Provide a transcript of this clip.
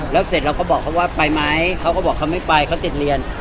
แล้วเสร็จเราก็บอกเขาว่าไปไหมเขาก็บอกเขาไม่ไปเขาติดเรียน